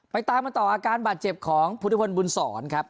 ตามกันต่ออาการบาดเจ็บของพุทธพลบุญศรครับ